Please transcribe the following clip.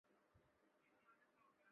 后成为民族军将领。